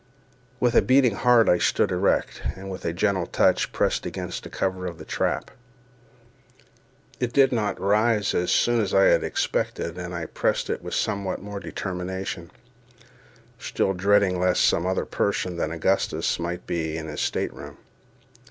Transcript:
With a beating heart I stood erect, and with a gentle touch pressed against the cover of the trap. It did not rise as soon as I had expected, and I pressed it with somewhat more determination, still dreading lest some other person than Augustus might be in his state room.